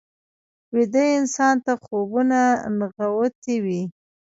ویده انسان ته خوبونه نغوتې وي